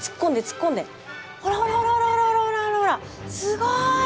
すごい！